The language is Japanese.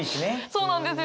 そうなんですよ。